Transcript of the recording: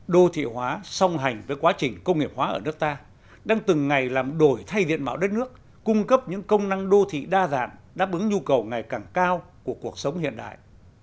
đô thị hóa song hành với quá trình công nghiệp hóa ở nước ta đang từng ngày làm đổi thay diện mạo đất nước cung cấp những công năng đô thị đa dạng đáp ứng nhu cầu ngày càng cao của cuộc sống hiện đại